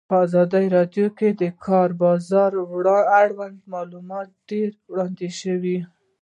په ازادي راډیو کې د د کار بازار اړوند معلومات ډېر وړاندې شوي.